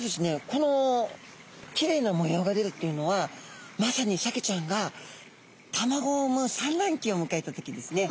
このきれいな模様が出るっていうのはまさにサケちゃんが卵を産むさんらんきをむかえた時ですね。